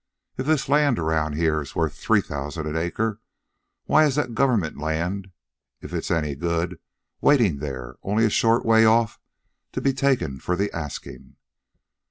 If this land around here is worth three thousand an acre, why is it that government land, if it's any good, is waiting there, only a short way off, to be taken for the asking."